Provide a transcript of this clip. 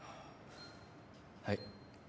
はい。